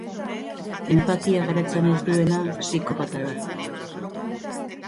Enpatia garatzen ez duena psikopata da.